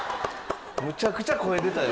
むちゃくちゃ声出たよ。